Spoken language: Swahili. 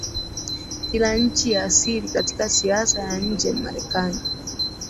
kila nchi ya asili Katika siasa ya nje Marekani